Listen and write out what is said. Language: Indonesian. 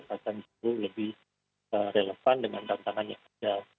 akan jauh lebih relevan dengan tantangan yang ada